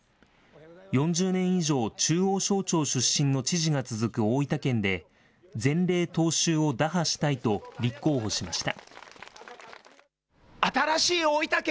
４０年以上、中央省庁出身の知事が続く大分県で前例踏襲を打破したいと立候補しました。